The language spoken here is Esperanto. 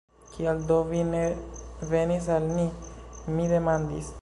Kial do vi ne venis al ni? mi demandis.